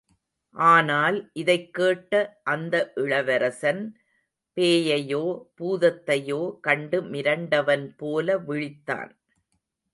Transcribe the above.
ஆனால் இதைக் கேட்ட அந்த இளவரசன் பேயையோ பூதத்தையோ கண்டு மிரண்டவன் போல விழித்தான்.